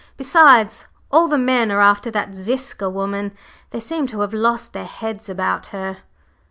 "Besides, all the men are after that Ziska woman, they seem to have lost their heads about her!"